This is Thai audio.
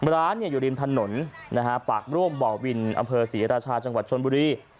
ร้านอยู่ริมถนนปากร่วมบ่อวินอำเภอศรีราชาจังหวัดชนบุรี